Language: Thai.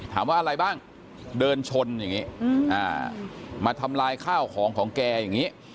อะไรบ้างเดินชนอย่างนี้มาทำลายข้าวของของแกอย่างนี้